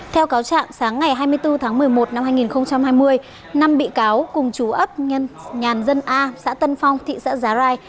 theo cáo trạng sáng ngày hai mươi bốn tháng một mươi một năm hai nghìn hai mươi năm bị cáo cùng chú ấp nhàn dân a xã tân phong thị xã giá rai